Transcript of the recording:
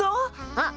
あっ